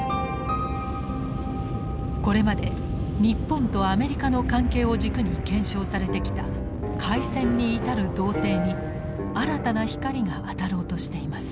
これまで日本とアメリカの関係を軸に検証されてきた開戦に至る道程に新たな光が当たろうとしています。